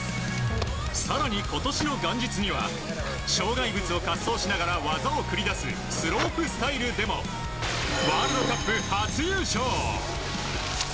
更に今年の元日には障害物を滑走しながら技を繰り出すスロープスタイルでもワールドカップ初優勝。